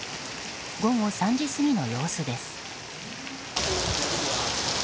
午後３時過ぎの様子です。